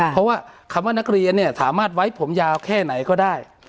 เพราะว่าคำว่านักเรียนเนี่ยสามารถไว้ผมยาวแค่ไหนก็ได้